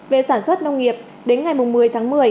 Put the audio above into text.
về sản xuất nông nghiệp đến ngày một mươi tháng một mươi